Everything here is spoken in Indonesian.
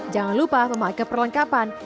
jangan lupa memakai perlengkapan